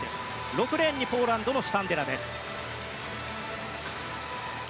６レーンにポーランドのシュタンデラです。